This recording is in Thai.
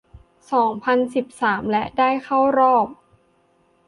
สองพันสิบสาม และได้เข้ารอบ